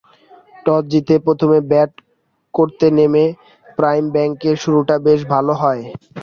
টসে জিতে প্রথমে ব্যাট করতে নেমে প্রাইম ব্যাংকের শুরুটা বেশ ভালো হয়।